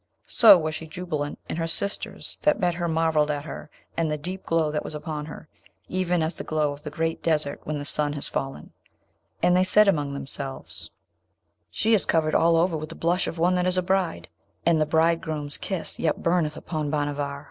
So was she jubilant; and her sisters that met her marvelled at her and the deep glow that was upon her, even as the glow of the Great Desert when the sun has fallen; and they said among themselves, 'She is covered all over with the blush of one that is a bride, and the bridegroom's kiss yet burneth upon Bhanavar!'